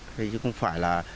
thế chứ không phải là